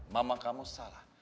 mama kamu salah